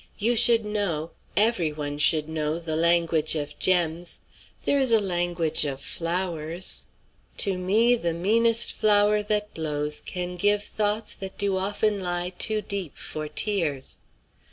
"You should know every one should know the language of gems. There is a language of flowers: 'To me the meanest flower that blows can give Thoughts that do often lie too deep for tears.'